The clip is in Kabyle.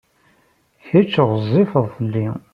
Kečč ɣezzifed fell-i.